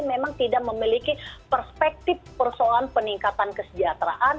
memang tidak memiliki perspektif persoalan peningkatan kesejahteraan